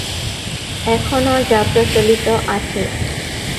এখনও যা প্রচলিত আছে।